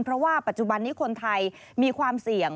เพราะว่าปัจจุบันนี้คนไทยมีความเสี่ยง